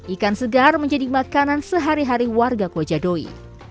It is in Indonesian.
ikan segar menjadi makanan sehari hari warga kojadoi